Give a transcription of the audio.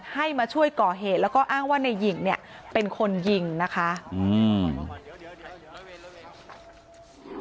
ให้มาช่วยก่อเหตุแล้วก็อ้างว่าในหญิงเนี่ยเป็นคนยิงนะคะอืม